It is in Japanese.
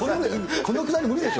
このくだり無理でしょ。